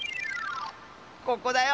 ここだよ